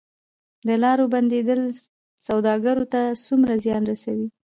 د لارو بندیدل سوداګرو ته څومره زیان رسوي؟